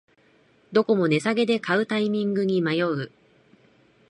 どこも値下げで買うタイミングに迷う